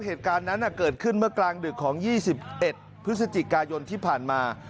เหตุการณ์นั้นเกิดขึ้นเมื่อกลางดึกของ๒๑พฤศจิกายนที่ผ่านมา